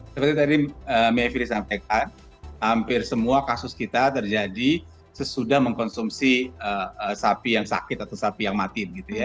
seperti tadi mevri sampaikan hampir semua kasus kita terjadi sesudah mengkonsumsi sapi yang sakit atau sapi yang mati